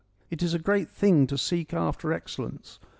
It is a great thing to seek after excellence.